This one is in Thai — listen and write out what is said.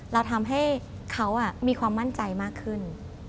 เราทำให้เขามีความมั่นใจมากขึ้น